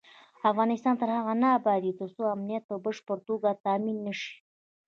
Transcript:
افغانستان تر هغو نه ابادیږي، ترڅو امنیت په بشپړه توګه تامین نشي.